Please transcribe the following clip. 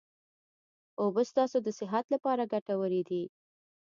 اوبه ستاسو د صحت لپاره ګټوري دي